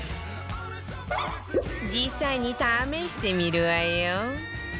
実際に試してみるわよ